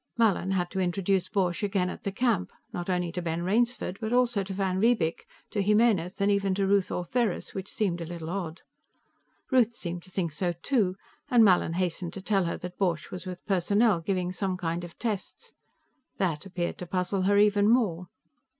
Mallin had to introduce Borch again at the camp, not only to Ben Rainsford but also to van Riebeek, to Jimenez and even to Ruth Ortheris, which seemed a little odd. Ruth seemed to think so, too, and Mallin hastened to tell her that Borch was with Personnel, giving some kind of tests. That appeared to puzzle her even more.